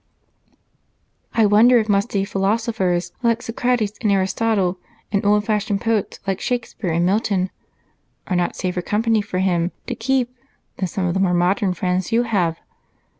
"I wonder if musty philosophers, like Socrates and Aristotle, and old fashioned poets, like Shakespeare and Milton, are not safer company for him to keep than some of the more modern friends you have?"